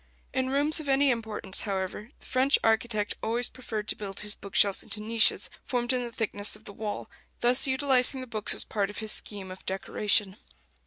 In rooms of any importance, however, the French architect always preferred to build his book shelves into niches formed in the thickness of the wall, thus utilizing the books as part of his scheme of decoration.